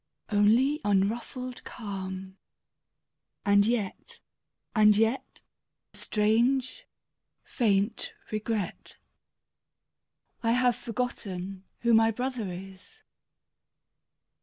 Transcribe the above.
Only unruffled calm; and yet — and yet — Strange, faint regret — I have forgotten who my brother is!